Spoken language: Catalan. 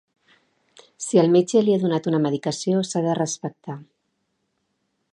Si el metge li ha donat una medicació s’ha de respectar.